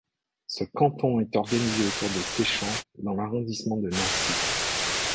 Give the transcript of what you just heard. Ce canton est organisé autour de Seichamps dans l'arrondissement de Nancy.